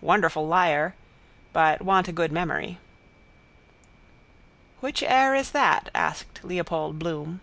Wonderful liar. But want a good memory. —Which air is that? asked Leopold Bloom.